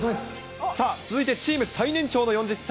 さあ、続いてチーム最年長の４０歳。